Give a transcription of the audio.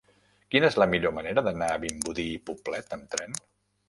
Quina és la millor manera d'anar a Vimbodí i Poblet amb tren?